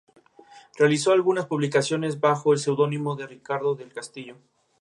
Esta cinta nunca se hizo pública.